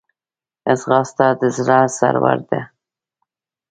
ځغاسته د زړه سرور ده